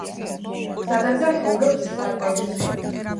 გზადაგზა შოულობს საკვებს.